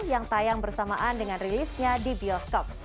yang tayang bersamaan dengan rilisnya di bioskop